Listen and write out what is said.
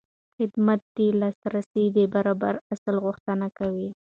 خدمت د لاسرسي د برابر اصل غوښتنه کوي.